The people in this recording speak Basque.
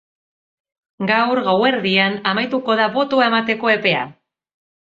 Gaur gauerdian amaituko da botoa emateko epea!